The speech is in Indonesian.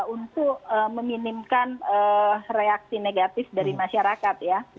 untuk meminimkan reaksi negatif dari masyarakat ya